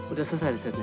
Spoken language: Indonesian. udah selesai risetnya